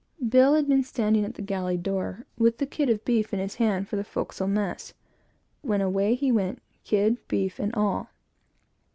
Bill had been standing at the galley door, with the kid of beef in his hand for the forecastle mess, when, away he went, kid, beef, and all.